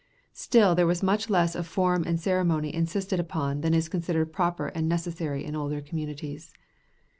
Still there was much less of form and ceremony insisted upon than is considered proper and necessary in older communities.